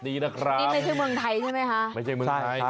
วิทยาลัยศาสตร์อัศวิทยาลัยศาสตร์